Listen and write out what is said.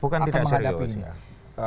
bukan tidak serius